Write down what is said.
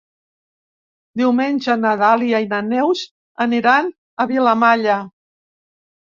Diumenge na Dàlia i na Neus aniran a Vilamalla.